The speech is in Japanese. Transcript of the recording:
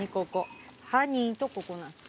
ハニーとココナツ。